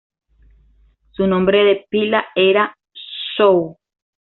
Su nombre de pila era 周 Zhōu.